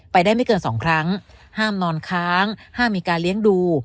ได้ไม่เกินสองครั้งห้ามนอนค้างห้ามมีการเลี้ยงดู